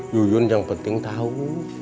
yuyun yang penting tahu